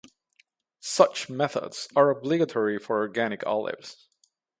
Such methods are obligatory for organic olives.